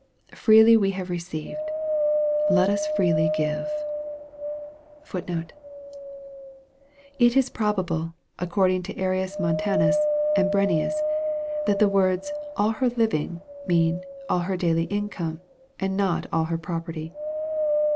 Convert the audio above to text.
Freely we have received. Let us freely give.* * It is probable, according to Arias Montanus and Brenius, that the words " all her living," mean " all her daily income," and not all her property.